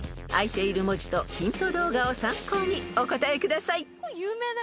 ［あいている文字とヒント動画を参考にお答えください］